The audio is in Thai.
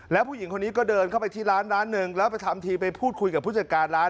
แล้วผู้หญิงคนนี้ก็เดินเข้าไปที่ร้านร้านหนึ่งแล้วไปทำทีไปพูดคุยกับผู้จัดการร้าน